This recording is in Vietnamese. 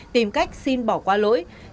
tìm cách xin bỏ qua lỗi